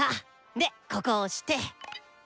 でここを押して。